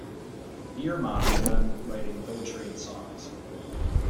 Biermann began writing poetry and songs.